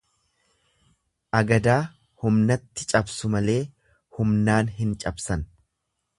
Agadaa humnatti cabsu malee humnaan hin cabsan.